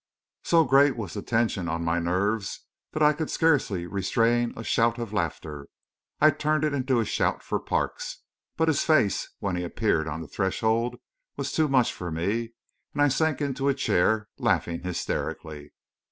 So great was the tension on my nerves that I could scarcely restrain a shout of laughter. I turned it into a shout for Parks; but his face, when he appeared on the threshold, was too much for me, and I sank into a chair, laughing hysterically.